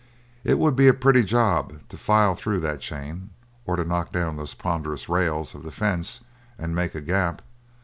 It would be a pretty job to file through that chain, or to knock down those ponderous rails of the fence and make a gap.